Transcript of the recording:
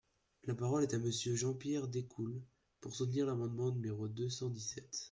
La parole est à Monsieur Jean-Pierre Decool, pour soutenir l’amendement numéro deux cent dix-sept.